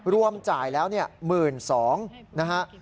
รวมจ่ายแล้ว๑๒๐๐นะฮะ